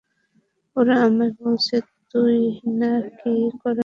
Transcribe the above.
ওরা আমায় বলেছে তুই না-কি কড়া চিজ।